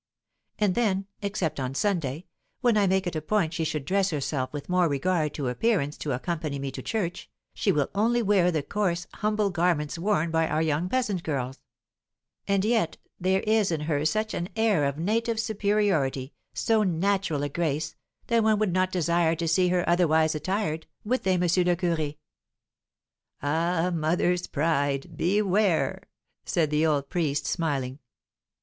And, then, except on Sunday, when I make it a point she should dress herself with more regard to appearance to accompany me to church, she will only wear the coarse, humble garments worn by our young peasant girls; and yet there is in her such an air of native superiority, so natural a grace, that one would not desire to see her otherwise attired, would they, M. le Curé?" "Ah, mother's pride! Beware!" said the old priest, smiling.